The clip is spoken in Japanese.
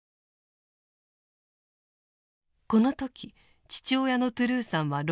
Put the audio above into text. この時父親のトゥルーさんは６０代。